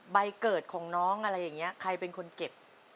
ใบเกิดของน้องอะไรอย่างนี้ใครเป็นคนเก็บ